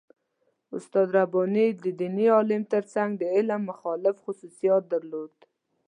استاد رباني د دیني عالم تر څنګ د علم مخالف خصوصیت درلود.